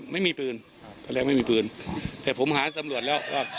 ไม่มีปืนครับตอนแรกไม่มีปืนแต่ผมหาตำรวจแล้วว่า